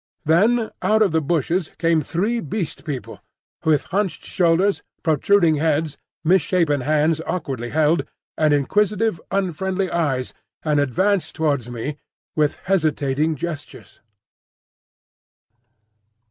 Then out of the bushes came three Beast People, with hunched shoulders, protruding heads, misshapen hands awkwardly held, and inquisitive, unfriendly eyes and advanced towards me with hesitating gestures.